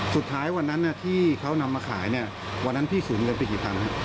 สุดท้ายวันนั้นที่เขานำมาขายเนี่ยวันนั้นพี่สูญเงินไปกี่พันฮะ